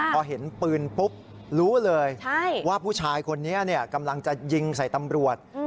พอเห็นปืนปุ๊บรู้เลยว่าผู้ชายคนนี้กำลังจะยิงใส่ตำรวจ